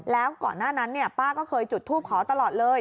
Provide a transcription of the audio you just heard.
แล้วก่อนหน้านั้นป้าก็เคยจุดทูปขอตลอดเลย